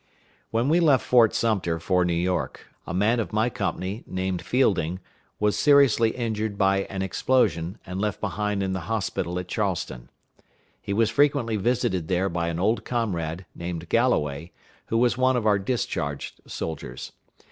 When we left Fort Sumter for New York, a man of my company, named Fielding, was seriously injured by an explosion, and left behind in the hospital at Charleston. He was frequently visited there by an old comrade, named Galloway, who was one of our discharged soldiers.